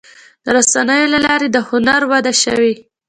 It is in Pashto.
د رسنیو له لارې د هنر وده شوې.